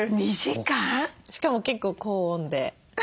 しかも結構高温で。